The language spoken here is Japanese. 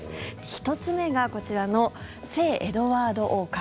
１つ目が、こちらの聖エドワード王冠。